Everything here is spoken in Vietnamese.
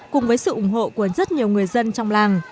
cùng với sự ủng hộ của rất nhiều người dân trong làng